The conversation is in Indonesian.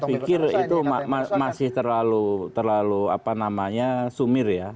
saya pikir itu masih terlalu sumir ya